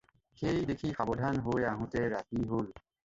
সেই দেখি সাৱধান হৈ আহোঁতে ৰাতি হ'ল।